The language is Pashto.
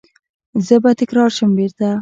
زه به تکرار شم بیرته